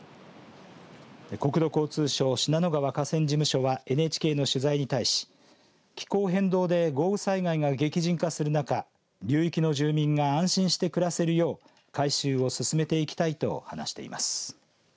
国土交通省信濃川河川事務所はＮＨＫの取材に対し、気候変動で豪雨災害が激甚化する中流域の住民が安心して暮らせるよう改修を進めていきたいと話しています。